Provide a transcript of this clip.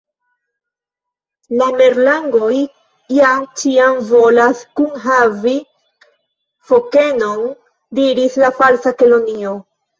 "La Merlangoj ja ĉiam volas kunhavi fokenon," diris la Falsa Kelonio.